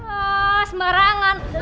ah semarangan lo